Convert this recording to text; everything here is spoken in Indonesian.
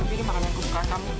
ini makanan yang aku suka kamu